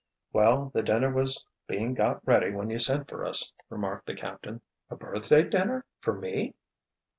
"Well, the dinner was being got ready when you sent for us," remarked the captain. "A birthday dinner for me?"